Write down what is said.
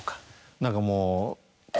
何かもう。